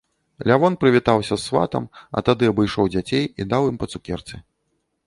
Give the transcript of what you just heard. Лявон прывітаўся з сватам, а тады абышоў дзяцей і даў ім па цукерцы.